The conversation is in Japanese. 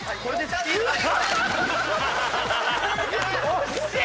惜しい！